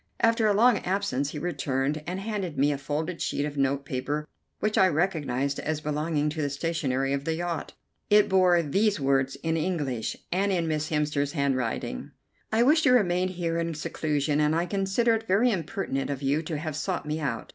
After a long absence he returned, and handed to me a folded sheet of note paper which I recognized as belonging to the stationery of the yacht. It bore these words in English, and in Miss Hemster's handwriting: "I wish to remain here in seclusion, and I consider it very impertinent of you to have sought me out.